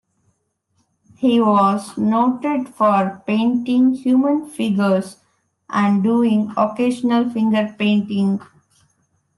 He was noted for painting human figures and doing occasional finger painting.